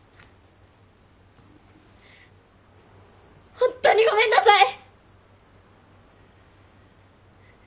ホントにごめんなさい！